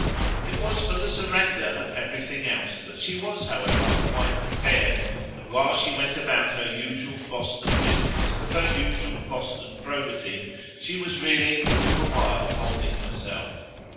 It was for the surrender of everything else that she was, however, quite prepared, and while she went about her usual Boston business with her usual Boston probity she was really all the while holding herself.